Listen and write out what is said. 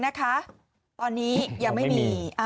นะคะตอนนี้ยังไม่มี